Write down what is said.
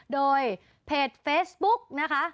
โดยเพจเฟซบุ๊กนะคะ